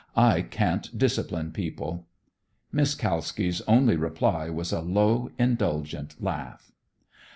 I can't discipline people." Miss Kalski's only reply was a low, indulgent laugh.